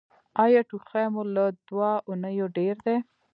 ایا ټوخی مو له دوه اونیو ډیر دی؟